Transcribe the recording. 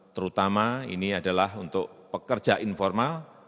terutama ini adalah untuk pekerja informal